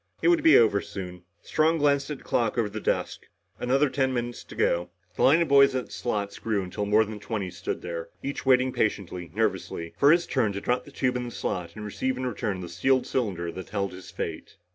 It would be over soon. Strong glanced at the clock over the desk. Another ten minutes to go. The line of boys at the slots grew until more than twenty stood there, each waiting patiently, nervously, for his turn to drop the tube in the slot and receive in return the sealed cylinder that held his fate.